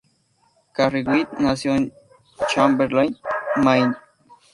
Carrie White nació en Chamberlain, Maine.